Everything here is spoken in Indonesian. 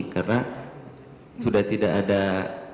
karena sudah tidak ada nanti